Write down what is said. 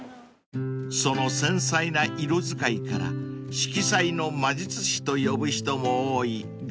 ［その繊細な色使いから色彩の魔術師と呼ぶ人も多い画家シャガール］